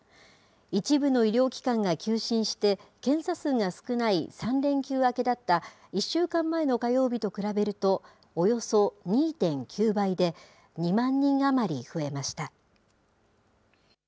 一部の医療機関が休診して、検査数が少ない３連休明けだった、１週間前の火曜日と比べると、およそ２．９倍で、２万人余り増えました。